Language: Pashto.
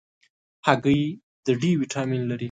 هګۍ د D ویټامین لري.